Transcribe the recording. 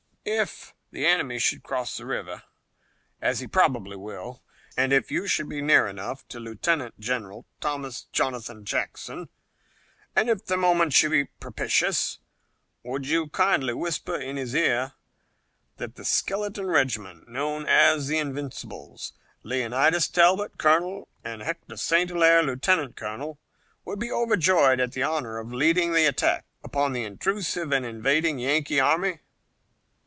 "If the enemy should cross the river, as he probably will, and if you should be near enough to Lieutenant General Thomas Jonathan Jackson, and if the moment should be propitious, would you kindly whisper in his ear that the skeleton regiment, known as the Invincibles, Leonidas Talbot, Colonel, and Hector St. Hilaire, Lieutenant Colonel, would be overjoyed at the honor of leading the attack upon the intrusive and invading Yankee army?"